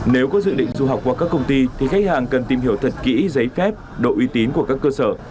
nếu có dự định du học qua các công ty thì khách hàng cần tìm hiểu thật kỹ giấy phép độ uy tín của các cơ sở